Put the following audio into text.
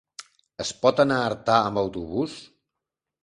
Es pot anar a Artà amb autobús?